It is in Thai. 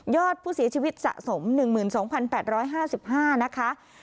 อดผู้เสียชีวิตสะสม๑๒๘๕๕นะคะ